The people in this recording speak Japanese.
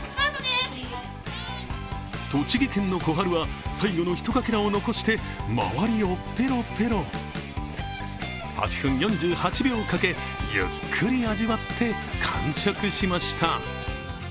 栃木県のコハルは最後の１かけらを残して周りをペロペロ８分４８秒かけ、ゆっくり味わって完食しました。